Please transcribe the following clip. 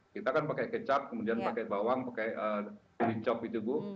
kita kan pakai kecap kemudian pakai bawang pakai